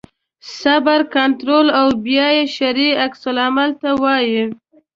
صبر کنټرول او بیا شرعي عکس العمل ته وایي.